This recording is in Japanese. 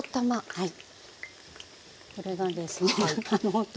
はい。